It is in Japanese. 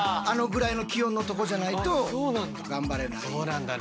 あのぐらいの気温のとこじゃないとがんばれない。